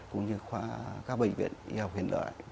cũng như khoa các bệnh viện y học hiện đại